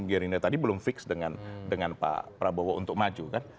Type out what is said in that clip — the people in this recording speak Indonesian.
gerindra tadi belum fix dengan pak prabowo untuk maju kan